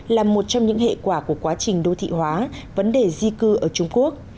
là một trong những hệ quả của quá trình đô thị hóa vấn đề di cư ở trung quốc